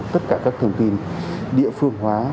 tất cả các thông tin địa phương hóa